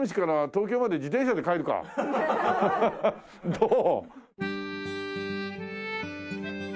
どう？